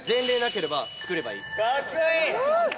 かっこいい！